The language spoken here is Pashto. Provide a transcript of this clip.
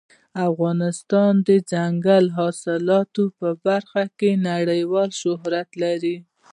افغانستان د ځنګلي حاصلاتو په برخه کې نړیوال شهرت لري.